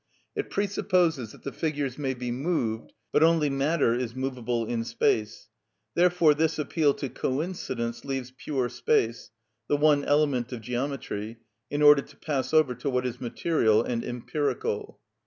It presupposes that the figures may be moved; but only matter is movable in space. Therefore this appeal to coincidence leaves pure space—the one element of geometry—in order to pass over to what is material and empirical.